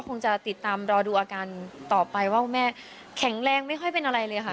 ผมติดตามแล้วรอดูต่อไปว่าคุณแม่แข็งแรงไม่ค่อยเป็นอะไรเลยค่ะ